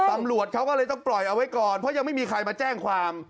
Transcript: ตำรวจเขาก็เลยต้องปล่อยเอาไว้ก่อนเพราะยังไม่มีใครมาแจ้งความ